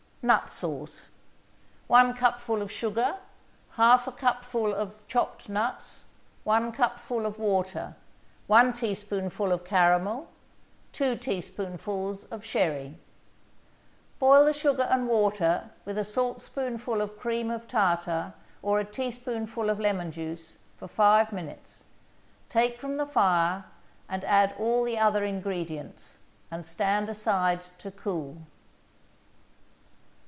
NUT SAUCE 1 cupful of sugar 1/2 cupful of chopped nuts 1 cupful of water 1 teaspoonful of caramel 2 teaspoonfuls of sherry Boil the sugar and water with a saltspoonful of cream of tartar or a teaspoonful of lemon juice for five minutes, take from the fire and add all the other ingredients, and stand aside to cool.